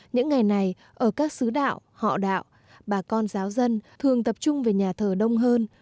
những ngày này ở các xứ đạo họ đạo bà con giáo dân thường tập trung về nhà thờ đông hơn